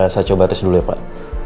saya coba tes dulu ya pak